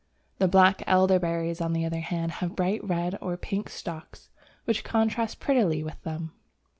The black Elder berries, on the other hand, have bright red or pink stalks which contrast prettily with them.